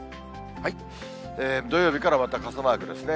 土曜日からまた傘マークですね。